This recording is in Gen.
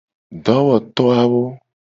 Dowoto awo.